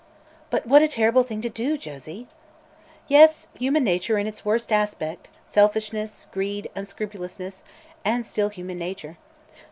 "But what a terrible thing to do, Josie!" "Yes, human nature in its worst aspect selfishness, greed, unscrupulousness and still human nature.